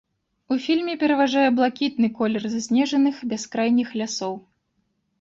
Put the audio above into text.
У фільме пераважае блакітны колер заснежаных бяскрайніх лясоў.